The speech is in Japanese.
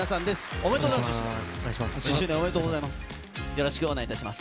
おめでとうございます。